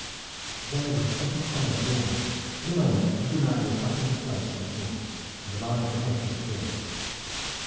Then there was a sudden cry of warning. In a moment every man was back in his place once more, and the line of the hedge was clear.